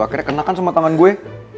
akhirnya kenakan sama taman gue